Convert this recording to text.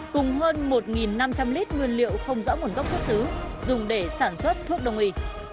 cùng hơn một năm trăm linh lít nguyên liệu không rõ nguồn gốc xuất xứ dùng để sản xuất thuốc đông y